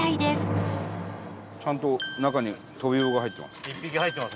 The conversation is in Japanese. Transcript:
伊達：ちゃんと中にトビウオが入ってます。